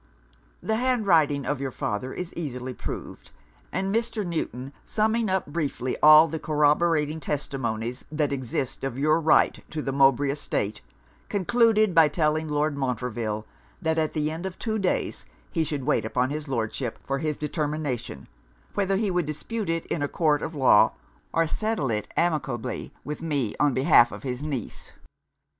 The hand writing of your father is easily proved; and Mr. Newton, summing up briefly all the corroborating testimonies that exist of your right to the Mowbray estate, concluded by telling Lord Montreville, that at the end of two days he should wait upon his Lordship for his determination, whether he would dispute it in a court of law or settle it amicably with me on behalf of his niece.